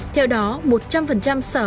theo đó một trăm linh sở